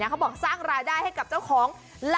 เขาบอกสร้างรายได้ให้กับเจ้าของ